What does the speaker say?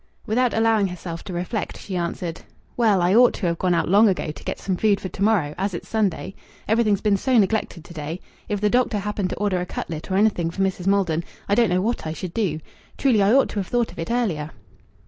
Without allowing herself to reflect, she answered "Well, I ought to have gone out long ago to get some food for to morrow, as it's Sunday. Everything's been so neglected to day. If the doctor happened to order a cutlet or anything for Mrs. Maldon, I don't know what I should do. Truly I ought to have thought of it earlier."